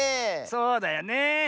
そうだよね。